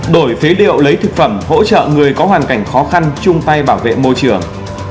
đổi phế liệu lấy thực phẩm hỗ trợ người có hoàn cảnh khó khăn chung tay bảo vệ môi trường